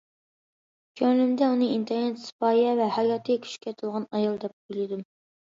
كۆڭلۈمدە ئۇنى ئىنتايىن سىپايە ۋە ھاياتى كۈچكە تولغان ئايال دەپ ئويلىدىم.